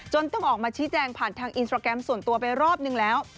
ต้องออกมาชี้แจงผ่านทางอินสตราแกรมส่วนตัวไปรอบนึงแล้ว